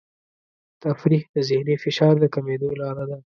تفریح د ذهني فشار د کمېدو لاره ده.